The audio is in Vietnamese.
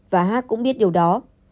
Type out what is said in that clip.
và hát cũng biết điều đó